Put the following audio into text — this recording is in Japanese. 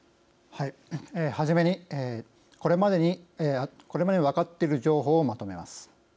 はじめにこれまでに分かっている情報をまとめます。